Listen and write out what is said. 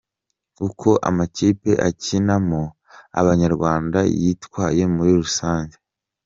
Uko amakipe akinamo Abanyarwanda yitwaye muri rusange:.